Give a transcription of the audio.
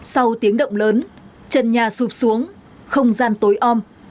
sau tiếng động lớn chân nhà xụp xuống không gian tối om